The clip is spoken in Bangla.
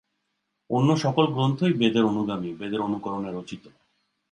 অন্য সকল গ্রন্থই বেদের অনুগামী, বেদের অনুকরণে রচিত।